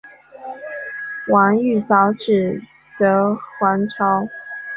王玉藻只得还朝。